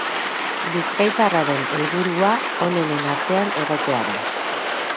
Bizkaitarraren helburua onenen artean egotea da.